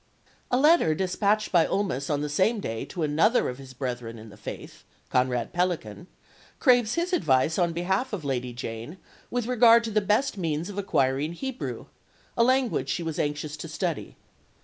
A letter despatched by Ulmis on the same day to another of his brethren in the faith, Conrad Pellican, craves his advice on behalf of Lady Jane with regard to the best means of acquiring Hebrew, a language she was anxious to study.